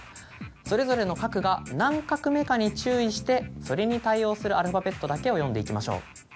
それぞれの画が何画目かに注意してそれに対応するアルファベットだけを読んでいきましょう。